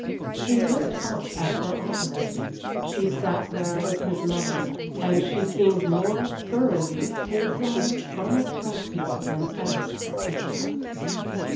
He looked up at her opposite. She sat there with his mother, and she seemed more thoroughly wholesomely unattractive than ever to him.